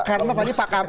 karena tadi pak kam